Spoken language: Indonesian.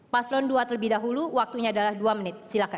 paslon dua terlebih dahulu waktunya adalah dua menit silahkan